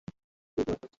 আমরা সঠিক উচ্চতায় উড়ছি।